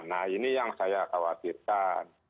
nah ini yang saya khawatirkan